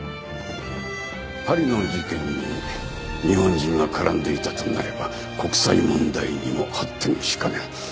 パリの事件に日本人が絡んでいたとなれば国際問題にも発展しかねん。